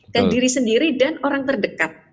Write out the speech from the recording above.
dan diri sendiri dan orang terdekat